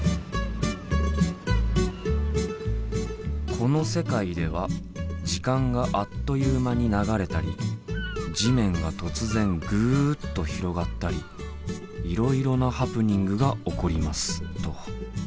「この世界では時間があっという間に流れたり地面が突然ぐっと広がったりいろいろなハプニングが起こります」と。